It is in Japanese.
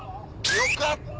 よかった！